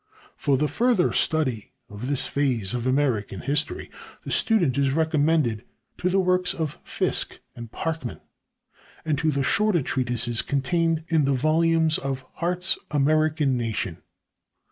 For the further study of this phase of American history, the student is recommended to the works of Fiske and Parkman, and to the shorter treatises contained in the volumes of Hart's "American Nation."